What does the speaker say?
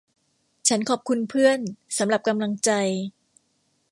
ฉันขอบคุณเพื่อนสำหรับกำลังใจ